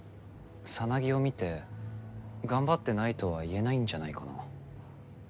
サナギを見て頑張ってないとは言えないんじゃないかな？